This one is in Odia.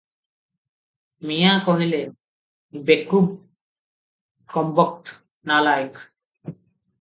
"ମିଆଁ କହିଲେ "ବେକୁବ, କମ୍ବକ୍ତ, ନାଲାଏକ୍" ।